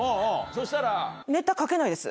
そしたら？